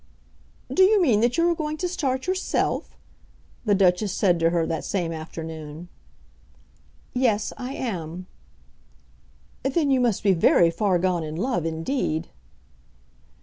"Do you mean that you are going to start yourself?" the Duchess said to her that same afternoon. "Yes, I am." "Then you must be very far gone in love, indeed."